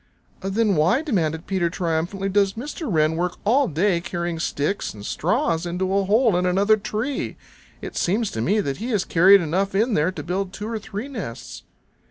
"Then why," demanded Peter triumphantly, "does Mr. Wren work all day carrying sticks and straws into a hole in another tree? It seems to me that he has carried enough in there to build two or three nests."